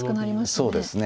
そうですね。